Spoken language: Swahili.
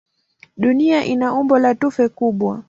Dunia ina umbo la tufe kubwa.